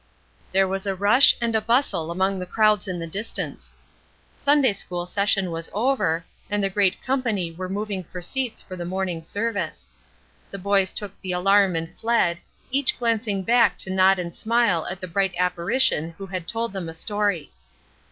There was a rush and a bustle among the crowds in the distance. Sunday school session was over, and the great company were moving for seats for the morning service. The boys took the alarm and fled, each glancing back to nod and smile at the bright apparition who had told them a story.